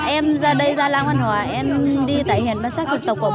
em ra đây ra làng văn hóa em đi tại hiển bán sách